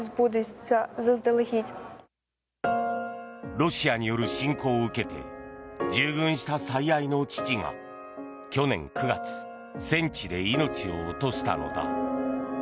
ロシアによる侵攻を受けて従軍した最愛の父が去年９月戦地で命を落としたのだ。